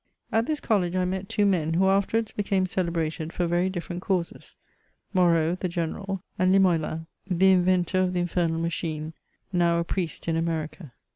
At this college I met two men, who afterwards hecame celebrated for very different causes: Moreau, the General, and Limoelan, the inventor of the Infernal Machine, now a Priest in America.